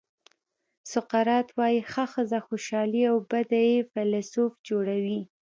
سقراط وایي ښه ښځه خوشالي او بده یې فیلسوف جوړوي.